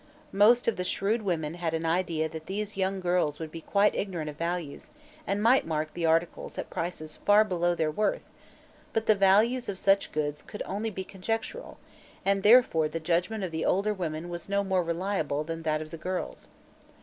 Most of the shrewd women had an idea that these young girls would be quite ignorant of values and might mark the articles at prices far below their worth, but the "values" of such goods could only be conjectural, and therefore the judgment of the older women was no more reliable than that of the girls.